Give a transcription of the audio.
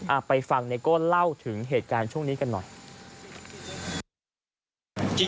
อ่าวไปฟังก็เล่าถึงเหตุงการช่วงนี้กันหน่อย